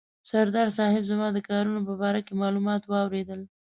سردار صاحب زما د کارونو په باره کې معلومات واورېدل.